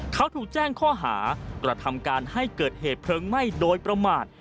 เขาถูกแจ้งข้อหากระทำการให้เกิดเหตุเพลิงไหม้โดยประมาท